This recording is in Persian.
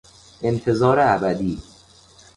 انتظار ابدی